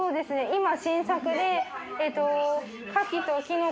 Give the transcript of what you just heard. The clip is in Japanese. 今新作で。